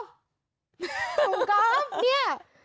ถุงกอล์ฟเนี่ย